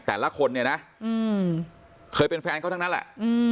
แต่ละคนเนี่ยนะเคยเป็นแฟนเขาทั้งนั้นแหละ